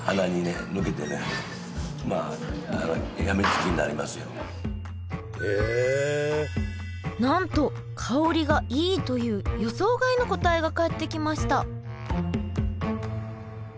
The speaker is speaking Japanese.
気になるなんと香りがいいという予想外の答えが返ってきました